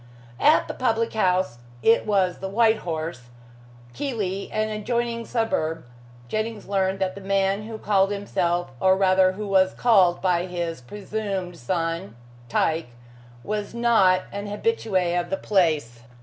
At the public house it was the "White Horse," Keighley, an adjoining suburb Jennings learned that the man who called himself or rather who was called by his presumed son Tyke, was not an habitue of the place.